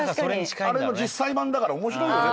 あれの実際版だから面白いよね？